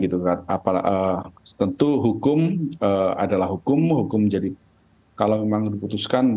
tentu hukum adalah hukum hukum jadi kalau memang diputuskan